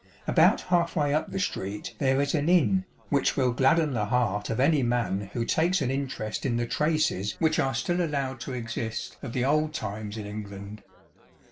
About half way up the street there is an inn which will gladden the heart of any man who takes an interest in the traces which are still allowed to exist of the old times in England.